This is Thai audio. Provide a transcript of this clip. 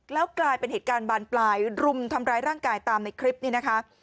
แล้วกลายเป็นเหตุการณ์บานปลายรุมทำร้ายร่างกายตามในคลิปนี้นะคะ